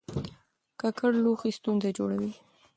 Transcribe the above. ککړ لوښي ستونزه جوړوي.